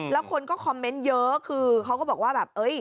แล้วคนก็คอมเมนต์เยอะคือเขาก็บอกว่าแบบเอ้ย